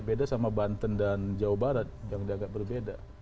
beda sama banten dan jawa barat yang agak berbeda